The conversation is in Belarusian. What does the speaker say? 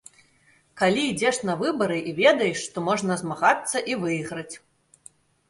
Калі ідзеш на выбары і ведаеш, што можна змагацца і выйграць.